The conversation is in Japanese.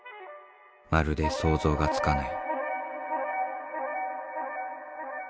まるで想像がつかない。